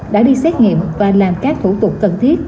đã đi xét nghiệm và làm các thủ tục cần thiết